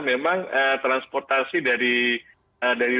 memang transportasi dari